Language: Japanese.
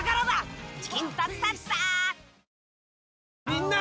みんな！